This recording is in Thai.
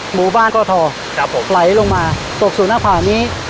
หมู่บ้านก็ทอครับผมไหลลงมาตกสู่หน้าผานี้